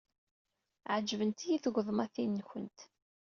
Ɛejbent-iyi tgeḍmatin-nwent.